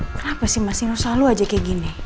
kenapa sih mas ino selalu aja kayak gini